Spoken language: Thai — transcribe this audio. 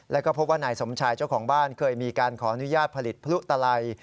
แล้วก็พบว่านายสมชายเจ้าของบ้านเคยมีการขออนุญาตผลิตพลุตลัย